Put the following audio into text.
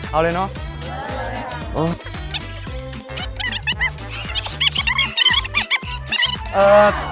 เอาเลยเนาะ